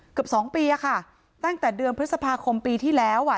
เกือบสองปีอะค่ะตั้งแต่เดือนพฤษภาคมปีที่แล้วอ่ะ